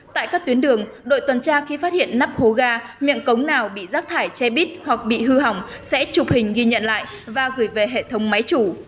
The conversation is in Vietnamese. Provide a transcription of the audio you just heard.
tại các tuyến đường đội tuần tra khi phát hiện nắp hố ga miệng cống nào bị rác thải cheb hoặc bị hư hỏng sẽ chụp hình ghi nhận lại và gửi về hệ thống máy chủ